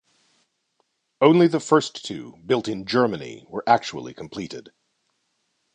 Only the first two, built in Germany, were actually completed.